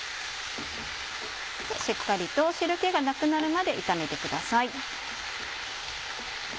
しっかりと汁気がなくなるまで炒めてください。